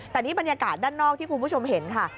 แต่นี่บรรยากาศด้านนอกที่คุณผู้ชมเห็นค่ะ